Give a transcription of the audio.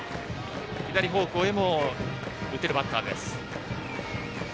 左方向へも打てるバッター。